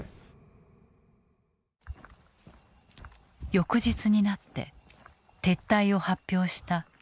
翌日になって撤退を発表したロシア軍。